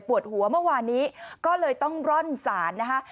หัวเมื่อวานนี้ก็เลยต้องร่อนศาลนะคะ